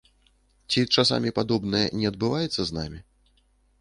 Ці часамі падобнае не адбываецца з намі?